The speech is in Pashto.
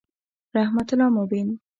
رحمت الله مبین